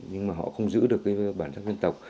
nhưng mà họ không giữ được cái bản sắc dân tộc